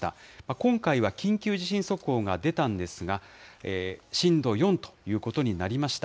今回は緊急地震速報が出たんですが、震度４ということになりました。